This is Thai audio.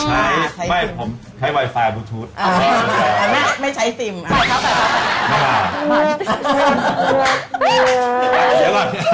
โอเค